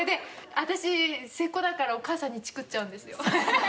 私末っ子だからお母さんにチクっちゃうんですよ。